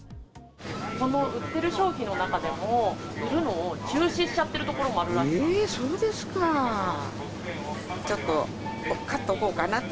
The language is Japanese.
この売ってる商品の中でも、売るのを中止しちゃっているところもあるらしい。